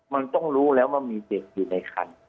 มันต้องรู้แล้วว่ามีเด็กอยู่ในคัน